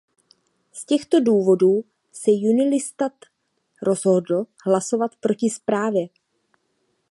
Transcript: Z těchto důvodů se Junilistan rozhodl hlasovat proti zprávě.